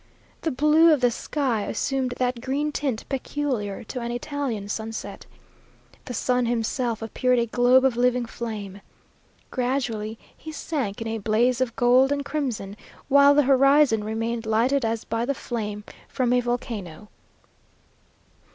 The blue of the sky assumed that green tint peculiar to an Italian sunset. The sun himself appeared a globe of living flame. Gradually he sank in a blaze of gold and crimson, while the horizon remained lighted as by the flame from a volcano.